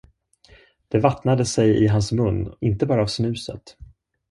Det vattnade sig i hans mun inte bara av snuset.